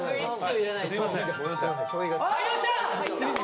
入りました！